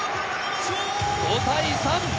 ５対３！